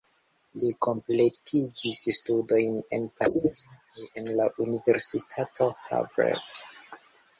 Li kompletigis studojn en Parizo kaj en la Universitato Harvard.